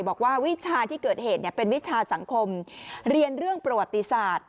วิชาที่เกิดเหตุเป็นวิชาสังคมเรียนเรื่องประวัติศาสตร์